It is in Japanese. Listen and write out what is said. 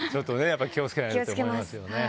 気を付けないとと思いますよね。